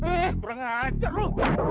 eh kurang ajar lu